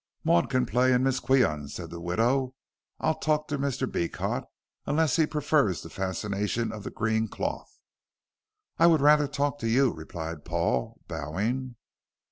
"Maud can play and Miss Qian," said the widow. "I'll talk to Mr. Beecot, unless he prefers the fascination of the green cloth." "I would rather talk to you," replied Paul, bowing.